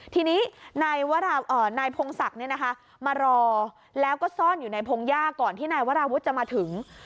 ทีนี้นายวราอ่านายพงศักดิ์เนี้ยนะคะมารอแล้วก็ซ่อนอยู่ในพงศักดิ์ย่าก่อนที่นายวราวุธจะมาถึง